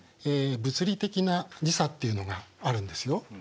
物理的な時差っていうのがあるんですよ。